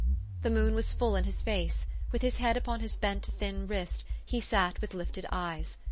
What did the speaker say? The moon was full in his face ; with his head upon his bent, thin wrist, he sat with lifted eyes.